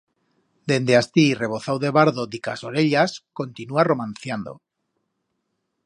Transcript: Dende astí y rebozau de bardo dicas as orellas, continúa romanciando.